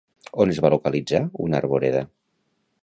On es va localitzar una arboreda?